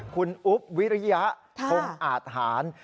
คุณอุ๊บวิริยะทงอาทหาร